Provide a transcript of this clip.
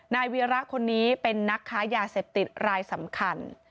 นายวีระคนนี้เป็นนักค้ายาเสพติดรายสำคัญ